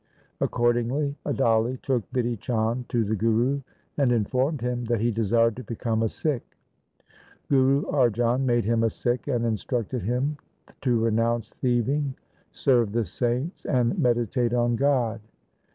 Accordingly Adali took Bidhi Chand to the Guru and informed him that he desired to become a Sikh. Guru Arjan made him a Sikh and instructed him to renounce thieving, serve the saints, and medi tate on God.